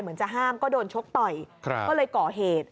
เหมือนจะห้ามก็โดนชกต่อยก็เลยก่อเหตุ